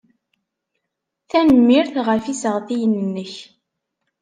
Tanemmirt ɣef yisseɣtiyen-nnek.